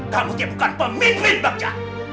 kamu tidak bukan pemimpin bagja